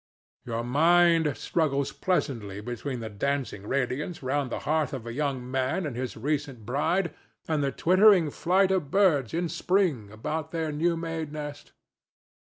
Your mind struggles pleasantly between the dancing radiance round the hearth of a young man and his recent bride and the twittering flight of birds in spring about their new made nest.